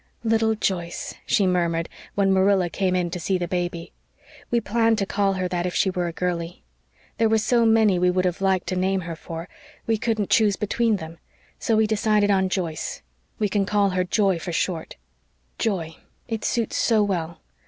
"Little Joyce," she murmured, when Marilla came in to see the baby. "We planned to call her that if she were a girlie. There were so many we would have liked to name her for; we couldn't choose between them, so we decided on Joyce we can call her Joy for short Joy it suits so well.